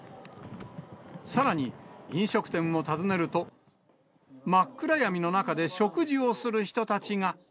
さらに、飲食店を訪ねると、真っ暗闇の中で食事をする人たちが。